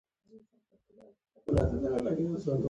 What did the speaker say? افغانستان د لمریز ځواک په برخه کې نړیوالو بنسټونو سره کار کوي.